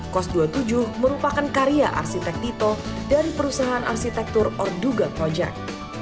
kos dua puluh tujuh merupakan karya arsitek tito dari perusahaan arsitektur orduga project